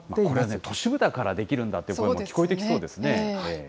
これは都市部だからできるんだという声も聞こえてきそうです